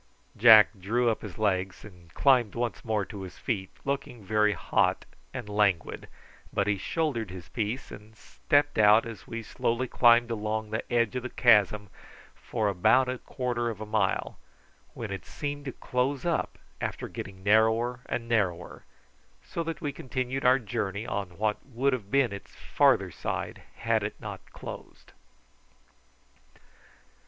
Jack drew up his legs and climbed once more to his feet, looking very hot and languid, but he shouldered his piece and stepped out as we slowly climbed along the edge of the chasm for about a quarter of a mile, when it seemed to close up after getting narrower and narrower, so that we continued our journey on what would have been its farther side had it not closed.